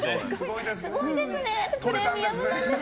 すごいですねって。